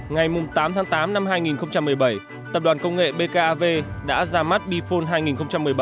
ngày tám tháng tám năm hai nghìn một mươi bảy tập đoàn công nghệ bkav đã ra mắt bihone hai nghìn một mươi bảy